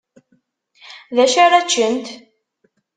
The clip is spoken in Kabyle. Dacu ara ččent?